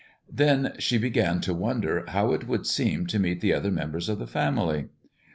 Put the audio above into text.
Then she began to wonder how it would seem to meet the other members of the family.